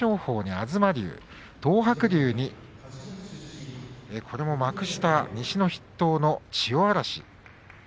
東白龍と幕下西の筆頭の千代嵐。